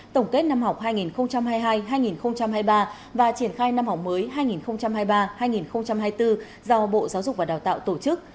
tổng kết năm học hai nghìn hai mươi hai hai nghìn hai mươi ba và triển khai năm học mới hai nghìn hai mươi ba hai nghìn hai mươi bốn do bộ giáo dục và đào tạo tổ chức